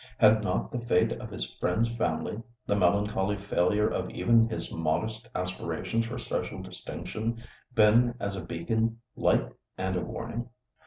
Had not the fate of his friend's family, the melancholy failure of even his modest aspirations for social distinction, been as a beacon light and a warning?